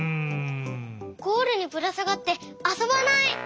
ゴールにぶらさがってあそばない。